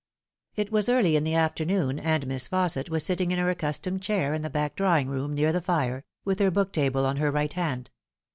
It was early in the afternoon, and Miss Fausset was sitting in her accustomed chair in the back drawing room, near the fire, with her book table on her right hand.